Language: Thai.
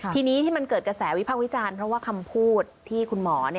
ทีนี้ที่มันเกิดกระแสวิพากษ์วิจารณ์เพราะว่าคำพูดที่คุณหมอ